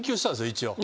一応。